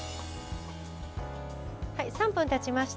３分たちました。